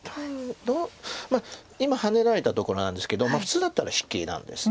まあ今ハネられたところなんですけど普通だったら引きなんです。